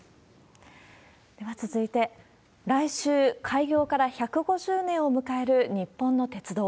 では続いて、来週、開業から１５０年を迎える日本の鉄道。